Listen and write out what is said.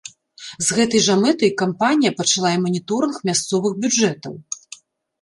З гэтай жа мэтай кампанія пачала і маніторынг мясцовых бюджэтаў.